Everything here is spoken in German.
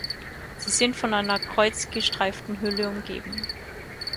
Sie sind von einer kreuzgestreiften Hülle umgeben.